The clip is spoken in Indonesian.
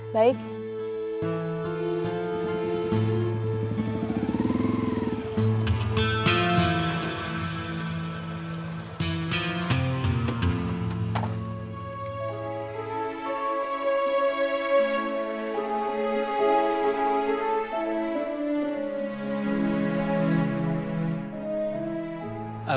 sampai ketemu lagi